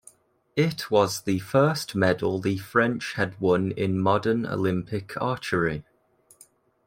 It was the first medal the French had won in modern Olympic archery.